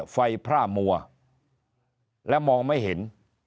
พร่ามัวและมองไม่เห็น